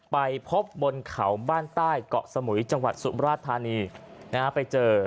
ไปพบบนเขาบ้านใต้เกาะสมุยจังหวัดสุมราชธานีนะฮะไปเจอ